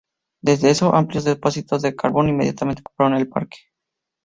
Desde eso, amplios depósitos de carbón inmediatamente ocuparon el parque.